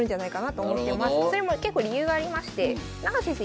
それも結構理由がありまして永瀬先生